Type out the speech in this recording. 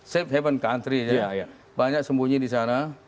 safe haven country banyak sembunyi di sana